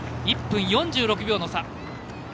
１分４６秒の差。